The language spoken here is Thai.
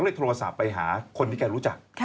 โทรศัพท์ไปหาคนที่แกรู้จัก